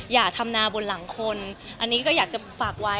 อย่าทำนาบนหลังคนอันนี้ก็อยากจะฝากไว้